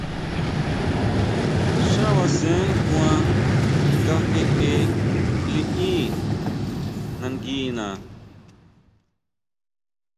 Xá basen kuan nga jeʼe liʼí nanguina.